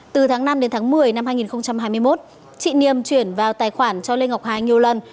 từ tháng năm đến tháng một mươi năm hai nghìn hai mươi một chị niềm chuyển vào tài khoản cho lê ngọc hà nhiều lần